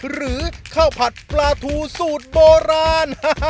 หรือข้าวผัดปลาทูสูตรโบราณ